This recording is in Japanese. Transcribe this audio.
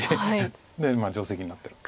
で定石になってる。